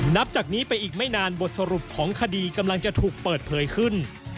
นับจากนี้ไปอีกไม่นานบทสรุปของคดีกำลังจะถูกเปิดเผยขึ้น